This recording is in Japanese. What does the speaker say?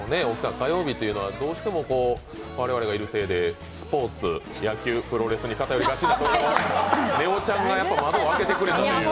火曜日っていうのはどうしても我々がいるせいでスポーツ、野球、プロレスに偏りがちなんですが、ねおちゃんが窓を開けてくれたという。